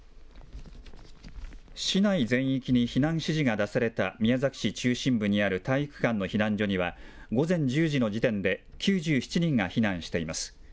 市内全域に避難指示が出された宮崎市中心部にある体育館の避難所には、午前１０時の時点で、９７人が避難しています。